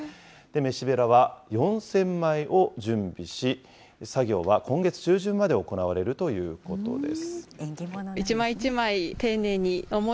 飯べらは４０００枚を準備し、作業は今月中旬まで行われるということです。